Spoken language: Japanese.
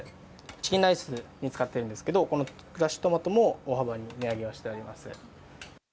チキンライスに使っているんですけどクラッシュトマトも値上げをしています。